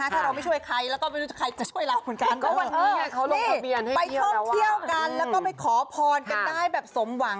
ถ้าเราไม่ช่วยใครแล้วก็ไม่รู้ใจใครจะช่วยเราเหมือนกัน